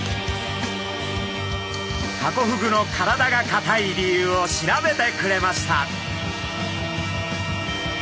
ハコフグの体がかたい理由を調べてくれました。